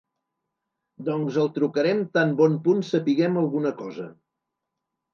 Doncs el trucarem tan bon punt sapiguem alguna cosa.